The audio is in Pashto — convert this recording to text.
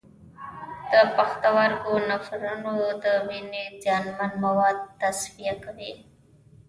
د پښتورګو نفرونونه د وینې زیانمن مواد تصفیه کوي.